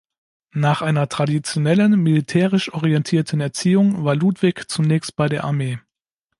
Nach einer traditionellen, militärisch orientierten Erziehung war Ludwig zunächst bei der Armee.